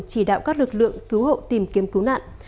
chỉ đạo các lực lượng cứu hộ tìm kiếm cứu nạn